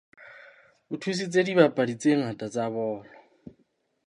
O thusitse dibapadi tse ngata tsa bolo.